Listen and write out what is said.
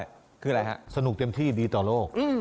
พี่กบครับคือแหละครับสนุกเต็มที่ดีต่อโลก